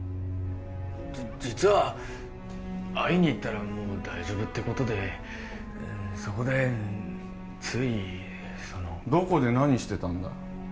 じッ実は会いに行ったらもう大丈夫ってことでそこでついそのどこで何してたんだ？